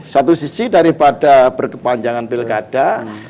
satu sisi daripada berkepanjangan pilkada